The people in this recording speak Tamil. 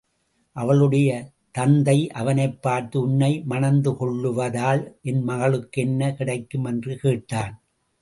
அவளுடைய தந்தை அவனைப் பார்த்து, உன்னை மணந்துகொள்வதால் என்மகளுக்கு என்ன கிடைக்கும்? என்று கேட்டான்.